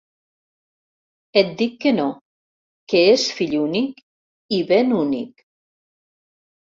Et dic que no, que és fill únic i ben únic.